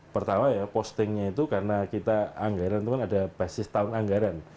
pertama ya postingnya itu karena kita anggaran itu kan ada basis tahun anggaran